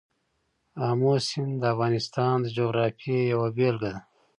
آمو سیند د افغانستان د جغرافیې یوه بېلګه ده.